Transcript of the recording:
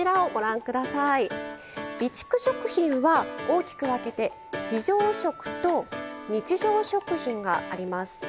備蓄食品は大きく分けて非常食と日常食品があります。